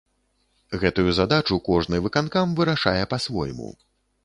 Гэтую задачу кожны выканкам вырашае па-свойму.